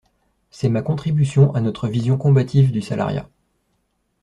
C’est ma contribution à notre vision combative du salariat.